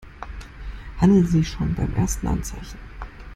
Handeln Sie schon beim ersten Anzeichen!